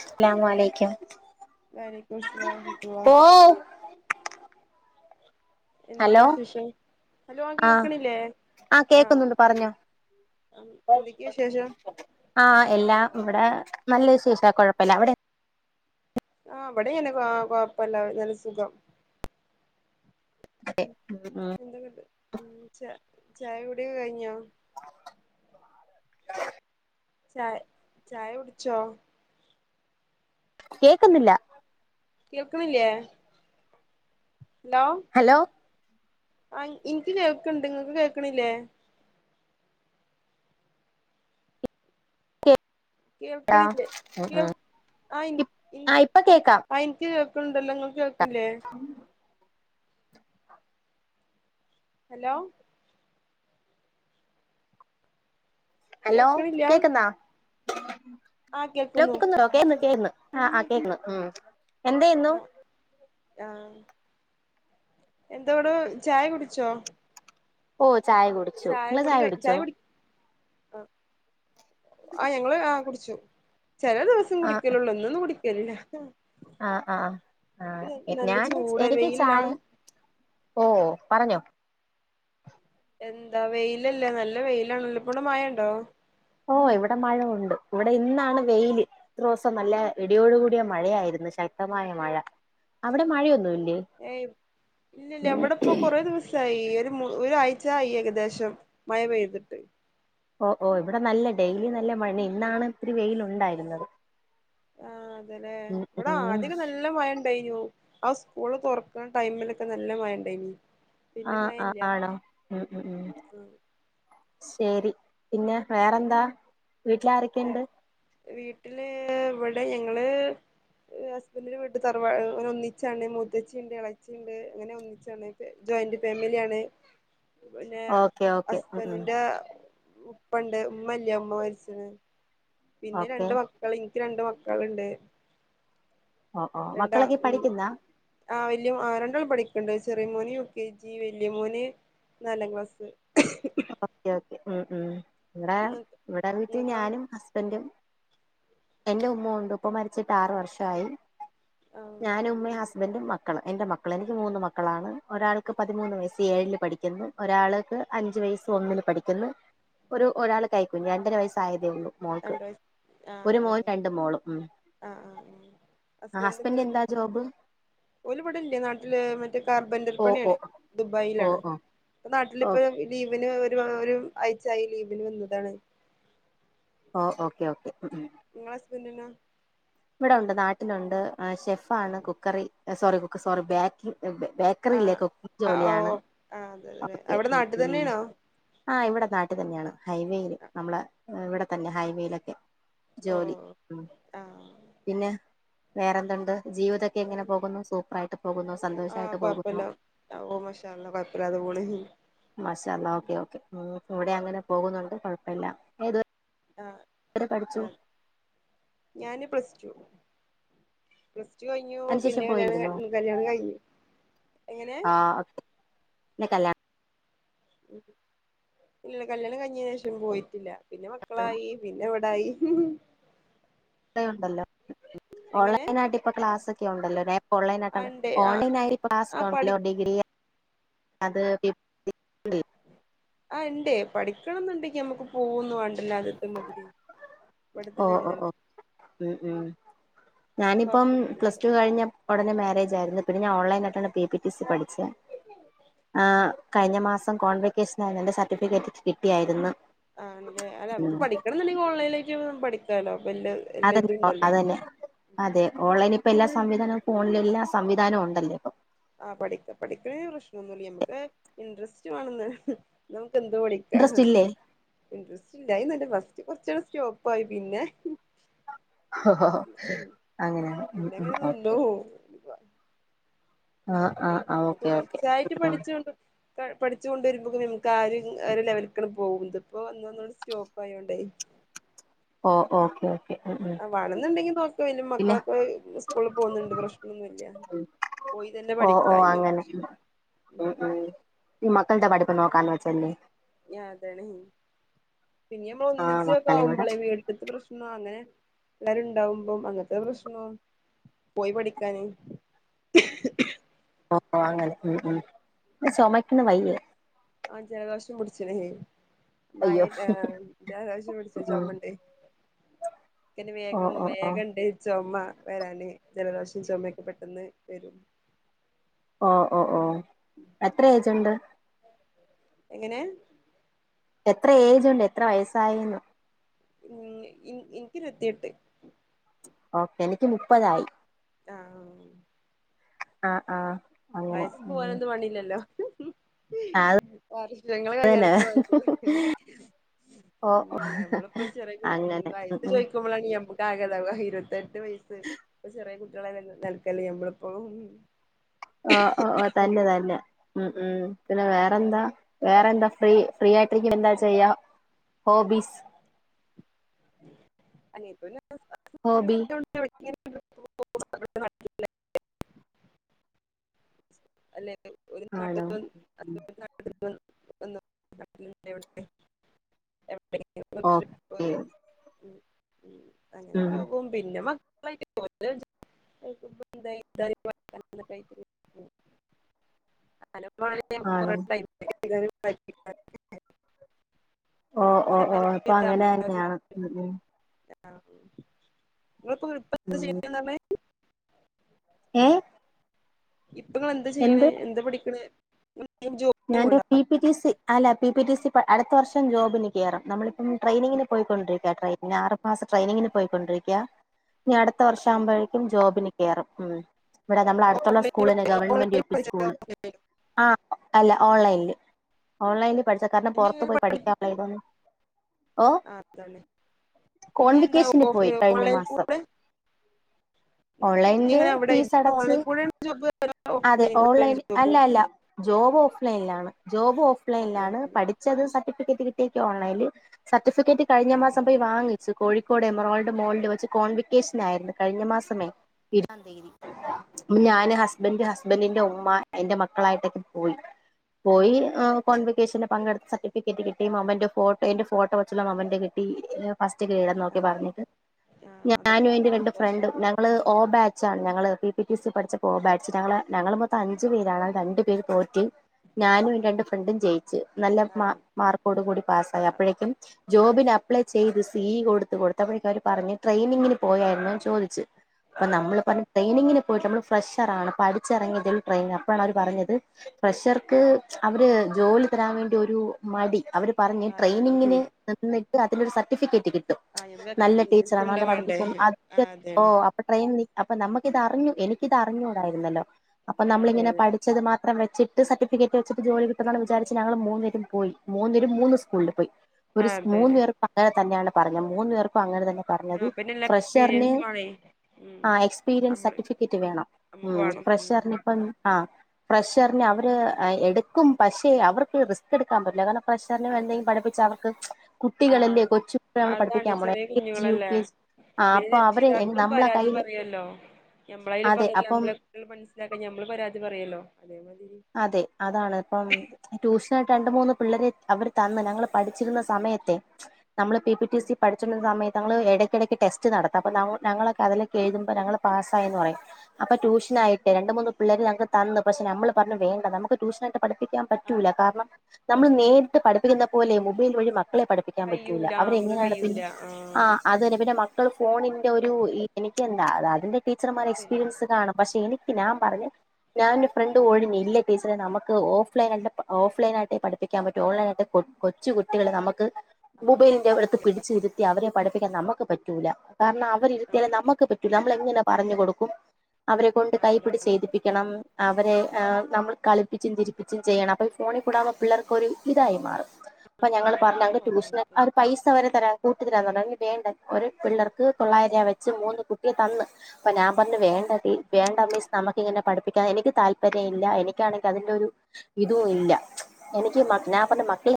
അസ്സലാമു അലൈകും വലയ്ക്കും മുസ്ലലാം വറഹ്മതുള്ള. എന്തൊക്കെ ഹലോ വിശേഷം ഹലോ ആഹ് കേൾക്കണില്ലേ ആ ആഹ് കേക്കുന്നുണ്ട് പറഞ്ഞോ എന്തൊക്കെ വിശേഷം. ആഹ് എല്ലാം ഇവിടെ നല്ല വിശേഷം കുഴപ്പല്ല അവിടെ? ആ ഇവിടെ തന്നെ ആഹ് കൊഴപ്പല്ല നല്ല സുഖം. ഉം എന്ത ഇങ്ങട്ട് ഉം ച്ച ചായ കൂടെ കഴിഞ്ഞോ? ചായ ചായ കുടിച്ചോ? കേക്കുന്നില്ല. കേൾക്ന്നില്ലേ ഹലോ ഹലോ ആ ഇനിക്ക് കേൾക്കണ്ട് നിങ്ങൾക്ക് കേൾക്കണില്ലേ? കേക്കാ കേൾക്കനില്ലേ ഉം കേൾ ഉം ആയി ആഹ് ഇപ്പൊ കേക്കാം ആയിൻ ഇക്ക് കേൾക്കുന്നുണ്ടല്ലോ നിങ്ങൾ കേൾക്കില്ലേ? ഹലോ ഹലോ കേൾക്കണില്ല കേക്കുന്നാ ആഹ് കേൾക്കുന്നു കേക്കുന്നോ കേന്ന് കേന്ന് ആ ആ കേക്ന്ന് ഉം എന്ത്യുന്നു? ആഹ് ആഹ് എന്തോട ചായ കുടിച്ചോ? ഓ ചായ കുടിച്ചു നിങ്ങെള് ചായ കുടിച്ചോ? ആ ആ ഞങ്ങള് ആ കുടിച്ചു ചില ദിവസം ആഹ് കുടിക്കലള്ളൂ ഇന്ന് ഒന്നും കുടി ക്കലില്ല. ആഹ് ആ ആ ഞാന് ചൂട് എനിക്ക് ചായ വെയിലെല്ലാണ് ഓ പറഞ്ഞോ എന്താ വെയിലല്ലേ നല്ല വെയിലാണ് ല്ലോ ഇവിടെ മഴ ഉണ്ടോ? ഓ ഇവിടെ മഴുണ്ട് ഇവിടെ ഇന്നാണ് വെയില്. ഇത്ര ദിവസം നല്ല ഇടിയോടുകൂടിയ മഴയായിരുന്നു ശക്തമായ മഴ അവിടെ മഴയൊന്നുമില്ലേ? ഏയ് ഇല്ല ഇല്ല ഇവിടെ ഇപ്പ കുറെ ദിവസായി ഒരു ഒരാഴ്ചായി ഏകദേശം. മഴ പെയ്തിട്ട്. ഓ ഓ ഇവിടെ നല്ല ഡെയിലി നല്ല മഴ ഇന്നാണ് ഇത്തിരി വെയില് ഉണ്ടായിരുന്നത്. ആഹ് അതല്ലേ ഇവിടെ ഉം ആദ്യം ഒക്കെ നല്ല നല്ല മഴ ഇണ്ടനു ആ സ്കൂള് തുറക്കുന്ന ടൈമിലൊക്കെ നല്ല മഴ ഉണ്ടയ്നു. ആഹ് ആ ആണോ ഉം ഉം ഉം ശരി പിന്നെ വേറെന്താ? വീട്ടില ആരൊക്കെയുണ്ട്? വീട്ടില് ഇവിടെ ഞങ്ങള്. ഹസ്ബൻഡന്റെ വീട്ടിൽ തറവാന ഒന്നിച്ചാണ് മുതച്ചിയുണ്ട് ഇളച്ചിയുണ്ട് അങ്ങനെ [unintelligible] ജോയിന്റ് ഫാമിലിയ ആണ് പിന്നെ ഓക്കെ ഓക്കെ ഉം ഉം ഹസ്ബൻഡിന്റെ ഉപ്പ ഉണ്ട് ഉമ്മല്ല ഉമ്മ മരിച്ചിന്ന് പിന്നെ ഓക്കെ രണ്ട് മക്കൾ ഇനിക്ക് രണ്ട് മക്കൾണ്ട്. ഓ ഓ രണ്ടാ മക്കളൊക്കെ അ ഉം പഠിക്കുന്നാ ആ വല്യം ആ രണ്ടാളും പഠിക്കണ്ട് ചെറിയ മോന് യുക്കെ ജി വല്യമോനെ നാലാം ക്ലാസ്. ഓക്കെ ഓക്കേ ഉം ഉം ഇവിടെ ഇങ്ങക്ക് ഇവിടെ വീട്ടിൽ ഇങ്ങക്കോ ഞാനും ഹസ്ബൻറും എന്റെ ഉമ്മ ഉണ്ട്. ഉപ്പ മരിച്ചിട്ട് ആറ് വർഷമായി ആഹ് ഞാനും ഉമ്മയും ഹസ്ബൻറും മ മക്കള്, എന്റെ മക്കള് എനിക്ക് മൂന്ന് മക്കളാണ്. ഒരാൾക്ക് പതിമൂന്ന് വയസ്. ഏഴിൽ പഠിക്കുന്നു. ഒരാൾക്ക് അഞ്ചു വയസ്സ്. ഒന്നില് പഠിക്കന്ന്, ഒരു ഒരാള് കഴികു ഞ്ഞ, രണ്ടര വയസ്സായതേ ഉള്ളൂ മോൾക്ക്. രണ്ട് വയസ് ആഹ് ഒരു മോൻ അതെലെ രണ്ട് മോളും. ഉം. ആഹ് ആഹ് ആഹ് ഹസ്ബെന്റിന് എന്താ ജോബ്? ഓല്പട ഇല്യാ നാട്ടില്, മറ്റേ കാർബൻറൽ ഓ ഓ പണിയാണ് ഓ ദുബായിലാണ്. ഓ ഇപ്പ ഓ നാട്ടിലിപ്പൊ ലീവിന് ഒരു ഒരു ആഴ്ചയായി ലീവിന് വന്നതാണ്. ഓഹ് ഓക്കെ ഓക്കെ, ഉം ഉം. നിങ്ങളെ ഹസ്ബന്റ്ന? ഇവിടെ ഉണ്ട്. നാട്ടിലുണ്ട്. ഷെഫ് ആണ്. കുക്കറി... സോറി സോറി, ബേക്... ക്കറില്ലേ ആഹ് കുക്കിംഗ് ആഹ് ജോലിയാണ്. ഓ ആഹ് അതെ അതെ ഓകെ. അവിടെ ഉം നാട്ടിൽ ഉം... തന്നെയാണോ ആഹ് ഇവിടെ നാട്ടിൽ തന്നെയാണ്. ഹൈവേൽ നമ്മള ഇവിടെ തന്നെ ഹൈവേയിലൊക്കെ... ഓ ജോലി. ഉം. ആഹ് പിന്നെ? വേറെന്തുണ്ട്? ജീവിതൊക്കെ എങ്ങനെ പോകുന്നു? സൂപ്പർായിട്ട് പോകുന്നോ? സന്തോഷായിട്ട് പോകുന്നോ? ഓഹ് മശാഅള്ള! കുഴപ്പല്ലാതെ പോണ്. മാഷഅള്ളാ! ഓക്കേ ഓക്കേ, ഉം.. ഇവിടെ അങ്ങനെ പോകുന്നുണ്ട്, കുഴപ്പമില്ല. ഏത്? ആഹ് എത്രെ പഠിച്ചു? ആഹ് ഞാന് പ്ലസ് ടു. പ്ലസ്ടു കഴിഞ്ഞു പിന്നെ അതിനുശേഷം പോയിരുന്നോ കല്യാണം കല്യാണം കഴിഞ്ഞു. എങ്ങനെ? ആഹ് കെ. [unintelligible] ഇല്ല കല്യാണം കഴിഞ്ഞീന് ശേഷം പോയിട്ടില്ല. പിന്നെ മക്കളായി പിന്നെ ഇവ് തായി. ണ്ടല്ലോ, എങ്ങനെ ഓൺലൈൻ ആയിട്ട് ഇപ്പൊ ക്ലാസൊക്കെ ഉണ്ടല്ലോ? ആഹ് ഓൺലൈനായിട്ടാണ്. ഇണ്ട് ആഹ് ഓൺലൈൻ ആയി ആഹ് പഠി ക്ലാസ്ല്ലോ ഡിഗ്രി അത്... ആഹ് ഇണ്ട്. പഠിക്കണന്നുണ്ടങ്കി നമ്മുക്ക് പോകുന്നു വണ്ടല്ലോ, ആദ്യത്തെ മാതിരി. ഓ ഇവിടെത്തന്നെ ഓ ഓ, ഇണ്ടല്ലോ ഉം ഉം. ഞാനിപ്പം കൊഴപ്പൊന്നുല്ല പ്ലസ്ടു കഴിഞ്ഞ... ഉടനെ മേരേജ് ആരുന്നു. പിന്ന ഞ ഓൻലൈായിയിട്ടാണ് പി പി ടി സി പഠി ആഹ് കഴിഞ്ഞ മാസം കോൺവക്കേഷൻ എന്റെ സർട്ടിഫിക്കറ്റ്... കിട്ടിയായിരുന്നു ആഹ് ആണെലെ, മ്മക്ക് ഉം പഠിക്കണങ്കില് ഓൺലൈനായിട്ട് പഠിക്കാലോ? വല് അതന്നെ അതന്നെ. അതെ ഓൺലൈൻ ഇപ്പ എല്ലാ സംവിധാനവും ഫോണിലും എല്ലാ സംവിധാനവും ഉണ്ടല്ലോ ഇപ്പൊ. ആഹ് പഠിക്ക, പഠിക്കണന് പ്രശ്നമൊന്നുല്ല. നമക്ക് ഇൻറ്രസ്റ്റ് വേണെന്ന്. നമുക്ക് എന്ത്‌ പഠി ക്ക. ഇൻട്രസ്റ്റ് ഇല്ലേ ഇൻടറസ്റ്റ് ഇല്ലായിനല്ല ഫസ്റ്റ് കൊർച് സ്റ്റോപ്പ് ആയി. പിന്നെ... ഹോ ഹോ. ഉം അങ്ങനെ. ഉം പിന്നെ ഉം, അങ്ങനെ നിന്നു ഒക്കെ. ആഹ് ആഹ് ആഹ് ഓക്കെ ഓക്കെ തുടർച്ചയായിട്ട് പഠിച്ചൊണ്ട്. പഠിച്ച് കൊണ്ട വരുമ്പോക്കന് നമുക്ക് ആദ്യ ലെവലക്കാണ് പോക്കുന്നുണ്ട്. ഇപ്പോ ഒന്ന്ന്നു സ്റ്റോപ്പ് ആയോണ്ടേ? ഓഹ് ഓഹ് ക്കെ ആഹ് വണെന്നുണ്ടെങ്കി നോക്ക. അയിന് പിന്നെ മക്കളൊക്കെ സ്കൂളിൽ പോകുന്നുണ്ട് പ്രശ്നൊന്നുൽയ. പോയി തന്നെ ഓ ഓ പഠിക്കുകായിനി. അങ്ങനെ പ്രശന ഉം ഉം. ഈ മക്കളടെ പഠിപ്പ് നോക്കാൻ വച്ചല്ലേ? താണ്. പിന്ന നമ്മൾ ആഹ് ഒന്നിച്ചക്കെ മക്കളെ കൂടെ ആവുമ്പോളെ വീട്ട് ക് പ്രശ്ന ന്നാ അങ്ങനെ എല്ലരു ഉണ്ടാവുമ്പം അങ്ങനത്തെ പ്രശ്നോ പോയി പഠിക്കാന്. [inaudible] ഓഹ് ഒ അങ്ങനെ, ഉം ഉം. ചുമയ്ക്കണ് വയ്യേ? ആഹ് ജലദോഷം പുടിച്ണെ... മഴ അയ്യോ താ ജലദോഷം പിടിച്ച ഉം ചുമണ്ടേ? എെ ഓ വേഗം ഓ ഓ വേഗംണ്ട് ചുമ വരാന് ജലദോഷം ചുമയൊക്കെ പെട്ടെന്ന് വരും ഓഹ് ഓഹ് ഓഹ് എത്ര ഏജുണ്ട് എങ്ങനെ എത്ര ഏജ്ണ്ട് എത്ര വയസ്സായിന്നു ഉം ഇനിക്ക് ഇരുപത്തിയെട്ട് ഓക്കെ എനിക്ക് മുപ്പതായി ആഹ് [unintelligible] ആഹ് ആഹ് അങ്ങനെ വയസ്സ് ഉം പോവാനൊന്നും പണില്ലല്ലോ. അത് വർഷങ്ങള് കയ്യാനൊ തന്നെ ഓ ഉം ഞമ്മളിപ്പ ചെറ്യേ കു ഉം അങ്ങനെ വയസ്സ് ഉം ചോയ്ക്കുമ്പളാണ് ഞമ്മ ക്കാകണ്ടാവ ഇരുപത്തെട്ട് വയസ്സ് ഇപ്പ ചെറ്യേ കുട്ട്യെ [unintelligible] നൽക്കല്ലേ മ്മളിപ്പോ ആഹ് ആഹ് തന്നെ തന്നെ ഉം ഉം പിന്നെ വേറെന്താ വേറെന്താ ഫ്രീ ഫ്രീ യായി [unintelligible] എന്താ ചെയ്യ ഹോബീസ്. [unintelligible] ഹോബി അല്ലെ ഒരു ആണോ [unintelligible] ഓക്കെ [unintelligible] അങ്ങനെ ഉം പോകും. പിന്നെ മ ക്കളാട്ട് [unintelligible] [unintelligible] [unintelligible] [unintelligible] ഇൻക്ക് [unintelligible] [unintelligible] ഇങ്ങളിപ്പൊ ആണോ ഓ ഓ ഓ അപ്പൊ അങ്ങനെ തന്നെയാണ് ഉം ഉം [unintelligible] ഉം ചെയ്യണന്നർഞ്ഞേ ഏഹ് ഇപ്പങ്ങളെന്താ ചെയ്യ്ണേ എന്താ പഠിക്കണേ [unintelligible] ഞാന് പോണ്ട പി പി ടി സി അല്ല പി പി ടി സി പ അട്ത്ത വർഷം ജോബിന് കേറും നമ്മളി ഉം ട്രെയിനിങ്ങിന് പോയിക്കൊണ്ടിരിക്ക ട്രെയിനാറ് മാസ ട്രെയിങ്ങിന് പോയിക്കൊണ്ടിരിക്കാ. ഇനി അട്ത്ത വർഷമാകുമ്പഴേക്കും ജോബിന് കേറും ഉം ഇവടെ നമ്മളെ അട്ത്തുള്ള ഓഫ്ലൈൻ സ്കൂളിലെന്നെ ഗവൺമെന്റ് യു ഓൺലൈൻ പി പഠിച്ചത് സ്കൂള്. ഓഫ്ലൈൻ ആഹ് അല്ല ഓൺലൈൻല് ഓൺലൈൻല് പഠിച്ച കാരണം ഇനി പൊറത്ത് ഇങ്ങനെ പോയി പഠി- പഠിക്കാ [unintelligible] ഓഹ് ആ, അതാണ് ഇനി എന്താ കോൺവിക്കേഷന് പോയി കഴിഞ്ഞ ഓൺലൈൻ മാസം. കൂടെ ഇനി ഓൺലൈൻല് ഇങ്ങനെ അവിടെ ഫീസടച്ച് ഓൺലൈൻ കൂടെ ജോബ് അതെ ഓഫ്ലൈൻ കൂടെ ഓൺലൈന് ജോബ് അല്ല അല്ല ജോബ് ഓഫ്‌ലൈൻലാണ് ജോബ് ഓഫ് ഓഫ്ലൈൻ ലൈൻലാണ് പഠി ച്ചത് സർട്ടിഫിക്കറ്റ് കിട്ട്യെയ് ക്കൊൺലൈൻല് സർട്ടിഫിക്കറ്റ് കഴിഞ്ഞ ആ മാസം പോയി വാങ്ങി. ച്ച്. കോഴിക്കോട് എമെറോൾഡ് മോളില് വെച്ച് കോൺവിക്കേഷനായിര്ന്നു കഴിഞ്ഞ മാസ് [unintelligible] ആ ഞാന് ഹസ് ബൻഡ് ഹസ്ബൻഡിന്റെ ഉമ്മ എന്റെ മക്കളായിട്ടൊക്കെ പോയി ആ പോയി എഹ് കോൺവിക്കേഷന് പങ്കെട്ത്ത് സർട്ടിഫിക്കറ്റ് കിട്ടി മോമ്മൻൻ്റൊ ഫോട്ടോ എന്റെ ഫോട്ടോ വെച്ചുള്ള മൊമ്മൻൻ്റൊ കിട്ടി ഫസ്റ്റ് ആ ഗ്രേഡൊന്നൊക്കെ പർഞ്ഞിട്ട് ആ അതൊക്കെ ഞാനും എന്റെ രണ്ട് സന്തോഷം ഫ്രണ്ടും ഞ ങ്ങള് ഓ ഉം. ബാച്ചാണ് ഞങ്ങള് പി പി ടി സി പഠിച്ചപ്പോ ഓ ബാച്ച് ഞങ്ങള് ഞങ്ങള് മൊത്തം അഞ്ച് പേരാണ്ത് അയ് രണ്ട് പേര് തോറ്റ്. ഞാനും എൻ്റെ രണ്ട് ഫ്രണ്ടും ജയിച്ച് നല്ല ആ മാ മാർക്കോട് കൂടി പാസ്സായി ആ അപ്പഴേക്കും ജോബിന് അപ്ലൈ ചെയ്ത് സി ഇ കൊട്ത്ത് കൊട്ത്തപ്പഴേക്ക് അവര് പറഞ്ഞ് ട്രെയിനിങ്ങിന് പോയായ്ര്ന്നോന്ന് ചോദിച്ച് അപ്പൊ അതെ നമ്മള് പർഞ്ഞ് ട്രെയിനിങ്ങിന് പോയിട്ടില്ല അമ്മള് ഫ്രഷറാണ് പഠിച്ചെറെങ്ങ്യെതിൽ ട്രെയ്നർ അപ്പാണ വര് പറഞ്ഞത് പ്രഷർക്ക് അവര് ജോലി തരാൻ വേണ്ടി ഒരു മടി അവര് പറഞ്ഞ് അതാണ് ട്രെയിനിങ്ങിന് നിന്നിട്ട് അതിനൊരു സർട്ടിഫിക്കറ്റ് കി ട്ടും ആഹ് ഞമ്മക്ക് നല്ല എക്സ്പീരിയൻസ് ടീച്ചറാണ് ഇണ്ട നല്ല വേണ്ടേ പഠിപ്പിക്കും ആഹ് അതാണ് [unintelligible] ട്രെയിനില് അപ്പൊ നമക്കിത് അറിഞ്ഞ് എനിക്കിതറിഞ്ഞൂടായിരുന്നല്ലോ അപ്പൊ അതെ നമ്മളിങ്ങനെ അതെ പഠി ച്ചത് മാത്രം വെച്ചിട്ട് സർട്ടിഫിക്കറ്റ് വെച്ച്ട്ട് ജോലി കിട്ടുന്നണ് വിചാരിച്ച് ഞങ്ങള് മൂന്നേരും പോയി മൂന്നേരും മൂന്ന് സ്കൂൾല് പോയി ഒര് സ് അതെ മൂന്ന് അതെ പേർക്കും അങ്ങനെ തന്നെണ് പറഞ്ഞേ മൂന്നു പേർക്കും അങ്ങനെ തന്നെ പറഞ്ഞത് ആഹ് പിന്നെല്ല ഫ്രഷർന് എക്സ്പീരിയൻസ് വേണേ ഉം ആഹ് എക്സ്പീരിയൻസ് നമ്മള് സർട്ടിഫിക്കറ്റ് വേണം നമ്മുക്ക് ഉം വേണം ഉം ഫ്രഷറിനിപ്പം ആഹ് ഫ്രഷർനെ അവര് എഹ് എട്ക്കും പക്ഷേ അവർക്ക് റിസ്ക്കെട്ക്കാൻ പറ്റില്ല കാരണം ഫ്രഷറിന് അതെ എന്തെങ്കി പഠിപ്പിച്ച അവർക്ക് കുട്ടികളല്ലേ ആഹ് കൊച്ചു കുട്ടികളല്ലേ അമ്മള് അതാണ് പഠിപ്പിക്കാൻ പോണേ എൽ ചെറിയ കെ ജി, യു കുഞ്ഞുങ്ങളല്ലേ കെ ജി ആഹ് അപ്പൊ അവര് എൻ നമ്മളെ കാ പറയുവല്ലോ ഞമ്മളയാലും ഇപ്പം [unintelligible] അപ്പം ഞമ്മള് ട്ടികൾ മനസ്സിലാക്കാ ഞമ്മള് പരാതി പറയല്ലോ, അതേമാതിരി അതെ അതാണ് അപ്പം ട്യൂഷനായിട്ട് രണ്ടു മൂന്ന് പിള്ളേരെ അവര് തന്ന് ഞങ്ങള് പഠിച്ചിരുന്ന സമയത്തെ നമ്മള് പി പി ടി സി പഠിച്ചോണ്ടിരുന്ന സമയത്ത് നങ്ങള് എടക്കിടക്ക് ടെസ്റ്റ് നടത്തും അപ്പം നങ്ങ ആഹ് ഞങ്ങളക്കെ അതിലൊക്കെ എഴുതുമ്പോ ഞങ്ങള് പാസ്സായിന്ന് പറയും. അപ്പൊ ട്യൂഷനായിട്ടെ രണ്ടുമൂന്ന് പിള്ളേര് ഞങ്ങക്ക് തന്ന്. പക്ഷെ ഞമ്മള് പർഞ്ഞു. വേണ്ട നമുക്ക് ട്യൂഷനായിട്ട് പഠിപ്പിക്കാൻ ആഹ് പറ്റൂല്ല. കാരണം നമ്മള് നേരിട്ട് പഠിപ്പിക്കുന്ന പോലെ മൊബൈൽ വഴി മ- ക്കളെ പഠിപ്പിക്കാൻ പറ്റൂല. കയ്യൂല നമ്മക്ക് അവരെങ്ങനെയാണ് പിന്നെ കയ്യൂല ആഹ് ആ- അത് തന്നെ പിന്നെ മക്കള് ഫോണിൻ്റെ ഒരു, എനിക്കെന്താ അതിൻ്റെ ടീച്ചർമാർ അത് ശരിയാണ് എക്സ്പീരിയൻസ് കാണും പക്ഷെ എനി- ക്ക്‌ ഞാൻ പറഞ്ഞു, ഞാനൊരു ഫ്രൈ [unintelligible] ഇല്ല ടീച്ചറെ നമുക്ക് ഓഫ്‌ലൈൻ ആയിട്ടെ ഓഫ്‌ലൈൻ ആയിട്ടെ പഠിപ്പിക്കാൻ പറ്റൂ ഓൺലൈൻ ആയിട്ട് പൊട്ട് കൊച്ചു കുട്ടികള് നമുക്ക് മൊബൈലിന്റെ അടുത്ത് പിടിച്ച് ഇരുത്തി അവരെ പഠിപ്പിക്കാൻ നമുക്ക് പറ്റൂല കാരണം അവരിരുത്തിയാലും നമ്മക്ക് പറ്റൂല, നമ്മളെങ്ങനെ പറഞ്ഞു കൊടുക്കും അവരെക്കൊണ്ട് അതാണ് കൈപിടിച്ചെഴുതിപ്പിക്കണം, അവരെ ന നമ്മള് കളിപ്പിച്ചും ചിരിപ്പിച്ചും ചെയ്യണം അപ്പൊ ഈ ഫോണി കൂടാവുമ്പോ പിള്ളർക്കൊരു ഇതായി മാറും അപ്പൊ ഞങ്ങള് ആ പറഞ്ഞ [unintelligible] ട്യൂഷന് പിന്നെ അവരു പൈസ വരെ തരാ കൂട്ടിതരാന്നുപറഞ്ഞ് [unintelligible] വേണ്ട ഒരു പിള്ളേർക്ക് തൊള്ളായിരം രൂപ വെച്ച് മൂന്ന് കുട്ടിയെ തന്ന് അപ്പൊ ഞാൻ പറഞ്ഞു വേണ്ട ടീ വേണ്ട മിസ്സ് നമക്കിങ്ങനെ പഠിപ്പിക്കാ എനിക്ക് താല് ല്പര്യവില്ല എനിക്കാണെങ്കി അതിന്റെ ഒരു ഇതുവില്ല എനിക്ക് മക്ക് ഞാൻ പറഞ്ഞ് മക്കള